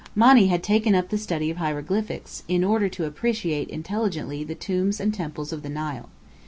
Monny had taken up the study of hieroglyphics, in order to appreciate intelligently the tombs and temples of the Nile.